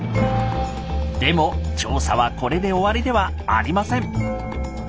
でも調査はこれで終わりではありません。